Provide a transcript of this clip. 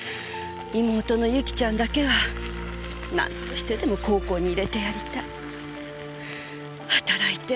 妹の由起ちゃんだけはなんとしてでも高校に入れてやりたい。